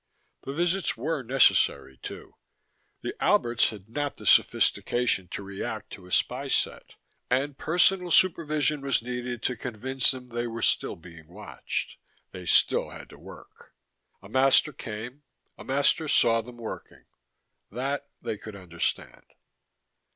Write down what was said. The visits were necessary, too: the Alberts had not the sophistication to react to a spy set, and personal supervision was needed to convince them they were still being watched, they still had to work. A master came, a master saw them working: that, they could understand.